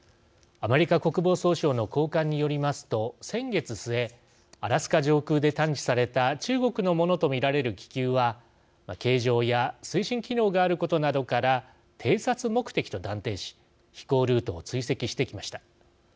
アメリカ国防総省の高官によりますと先月末、アラスカ上空で探知された中国のものと見られる気球は形状や推進機能があることなどから偵察目的と断定し飛行ルートを追跡してきました。